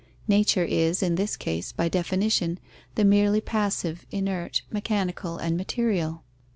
Nature is, in this case, by definition, the merely passive, inert, mechanical and material.